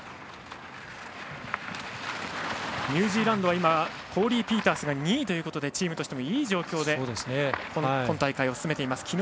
ニュージーランドはコーリー・ピータースが２位ということでチームとしてもいい状況で今大会を進めています。